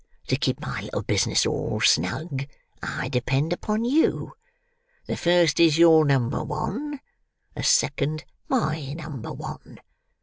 To keep my little business all snug, I depend upon you. The first is your number one, the second my number one.